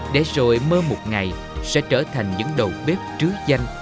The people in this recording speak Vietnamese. để rồi mơ một ngày sẽ trở thành những đầu bếp trứ danh